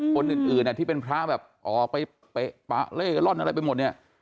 คนอื่นที่เป็นพระแบบออกไปเป๊ะปะเล่กันร่อนอะไรไปหมดเนี่ย